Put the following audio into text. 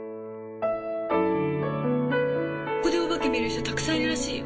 ここでお化け見る人たくさんいるらしいよ。